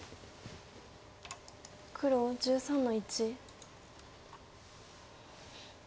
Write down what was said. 黒１３の一。